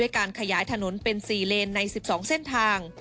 การขยายถนนเป็น๔เลนใน๑๒เส้นทาง